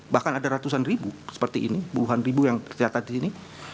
bahkan ada ratusan ribu seperti ini puluhan ribu yang tercatat di sini